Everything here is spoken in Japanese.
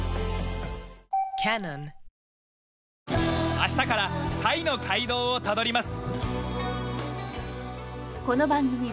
明日からタイの街道をたどります。